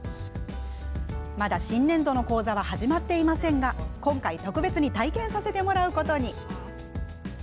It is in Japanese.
まだ新年度の講座は始まっていませんが、今回特別に体験させてもらうことに。